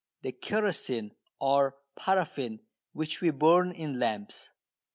the kerosene or paraffin which we burn in lamps.